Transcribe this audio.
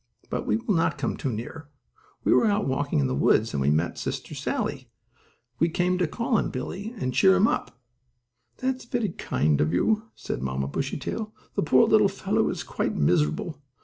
"But we will not come too near. We were out walking in the woods, and we met little Sister Sallie. We came to call on Billie, and cheer him up." "That is very kind of you," said Mamma Bushytail. "The poor little fellow is quite miserable.